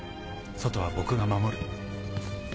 外は僕が守る。